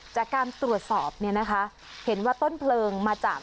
จากการสรวสสอบเราเห็นว่าต้นเพลิงมาจาก